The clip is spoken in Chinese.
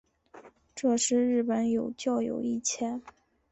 这时日本有教友一千。